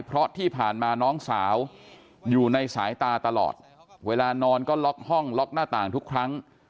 เพราะที่ผ่านมาน้องสาวอยู่ในสายตาตลอดเวลานอนก็ล็อกห้องล็อกหน้าต่างทุกครั้ง